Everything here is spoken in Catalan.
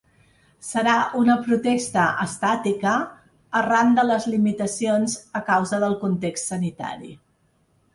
Serà una protesta estàtica, arran de les limitacions a causa del context sanitari.